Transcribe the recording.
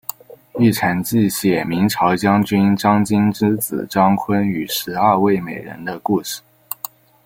玉蟾记写明朝将军张经之子张昆与十二位美人的故事。